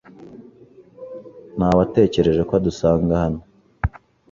Nawetekereje ko adusanga hano.